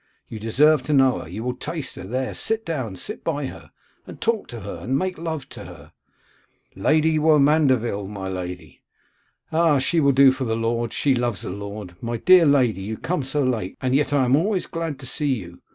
You deserve to know her; you will taste her; there, sit down, sit by her, and talk to her, and make love to her.' 'Lady Womandeville, my lady.' 'Ah! she will do for the lord; she loves a lord. My dear lady, you come so late, and yet I am always so glad to see you.